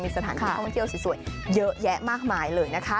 สถานที่ท่องเที่ยวสวยเยอะแยะมากมายเลยนะคะ